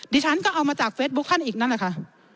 ดิฉันก็เอามาจากเฟซบุ๊คท่านอีกนั่นแหละค่ะ